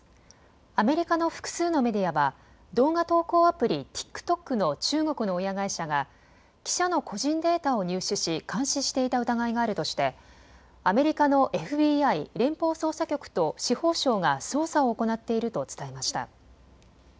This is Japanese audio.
アメリカの複数のメディアは動画投稿アプリ、ＴｉｋＴｏｋの中国の親会社が記者の個人データを入手し監視していた疑いがあるとしてアメリカのＦＢＩ・連邦捜査局と司法省が捜査を行っていると伝えました。